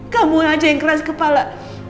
kamu aja yang keras kepala